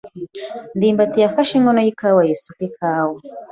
ndimbati yafashe inkono yikawa yisuka ikawa.